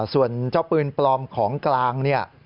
ส่วนเจ้าปืนปลอมของกลางเนี่ย